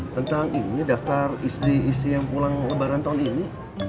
tentang ini daftar istri isi yang pulang lebaran tahun ini